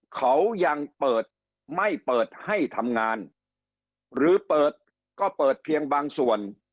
เขายังเปิดไม่เปิดให้ทำงานหรือเปิดก็เปิดเพียงบางส่วน